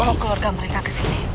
paman bawa keluarga mereka ke sini